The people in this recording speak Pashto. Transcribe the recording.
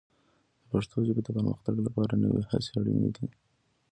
د پښتو ژبې د پرمختګ لپاره نوې هڅې اړینې دي.